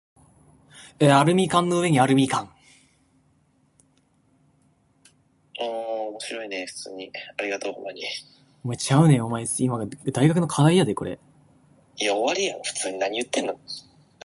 アルミ缶の上にあるみかん